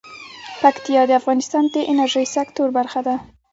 پکتیا د افغانستان د انرژۍ سکتور برخه ده.